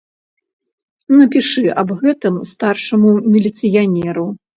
Напішы аб гэтым старшаму міліцыянеру.